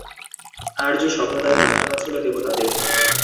আর্য সভ্যতায় প্রাধান্য ছিল দেবতাদের।